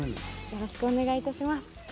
よろしくお願いします。